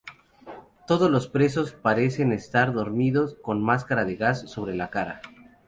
Todos los presos parece estar dormido, con máscaras de gas sobre la cara.